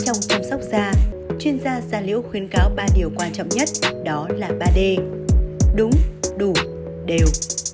trong chăm sóc da chuyên gia da liễu khuyến cáo ba điều quan trọng nhất đó là ba d đúng đủ đều